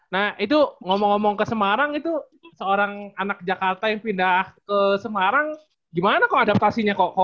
nah itu ngomong ngomong ke semarang itu seorang anak jakarta yang pindah ke semarang gimana kok adaptasinya kok